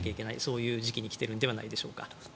そういう時期に来ているのではないでしょうか。